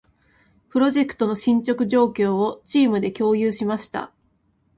プロジェクトの進捗状況を、チームで共有しました。